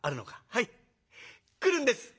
「はい。来るんです」。